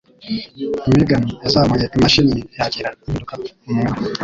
Megan yazamuye imashini yakira impinduka mu mwanya.